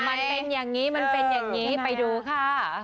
มันเป็นอย่างนี้มันเป็นอย่างนี้ไปดูค่ะ